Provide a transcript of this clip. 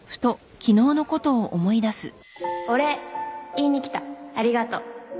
お礼言いに来た。ありがとう